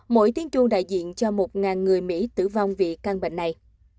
mỗi tiếng chu đại diện cho một người mỹ tử vong vì căn bệnh này